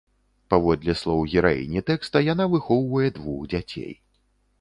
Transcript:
Паводле слоў гераіні тэкста, яна выхоўвае двух дзяцей.